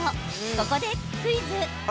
ここでクイズ。